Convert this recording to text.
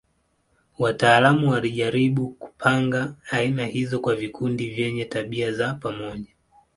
Wataalamu walijaribu kupanga aina hizo kwa vikundi vyenye tabia za pamoja.